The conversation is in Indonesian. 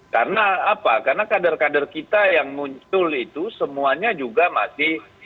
karena apa karena kader kader kita yang muncul itu semuanya juga masih